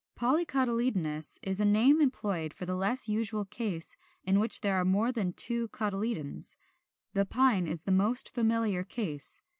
] 38. =Polycotyledonous= is a name employed for the less usual case in which there are more than two cotyledons. The Pine is the most familiar case.